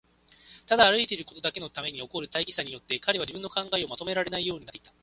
ただ歩いていくことだけのために起こる大儀さによって、彼は自分の考えをまとめられないようになっていた。